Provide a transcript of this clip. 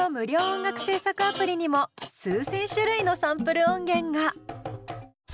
音楽制作アプリにも数千種類のサンプル音源が。